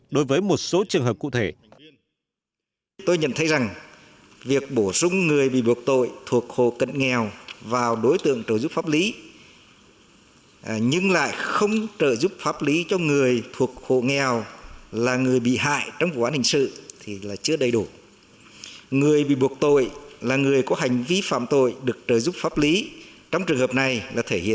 đối với một số trường hợp cụ thể